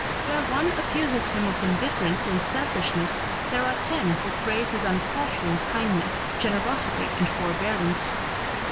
Where one accuses him of indifference and selfishness there are ten who praise his unfaltering kindness, generosity and forbearance.